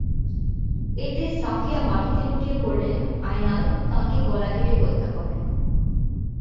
এতে সাফিয়া মাটিতে লুটিয়ে পড়লে আয়নাল তাঁকে গলা কেটে হত্যা করেন।